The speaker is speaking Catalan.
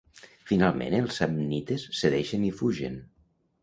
Finalment els samnites cedeixen i fugen.